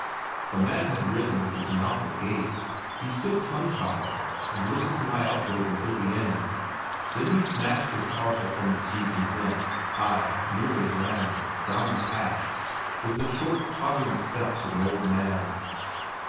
The man had risen with his mouth agape; he stood tongue tied and listened to my outbreak until the end. Then he snatched his parcel from off the seat and went, ay, nearly ran, down the patch, with the short, tottering steps of an old man.